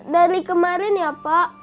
dari kemarin ya pak